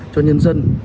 cho nhân dân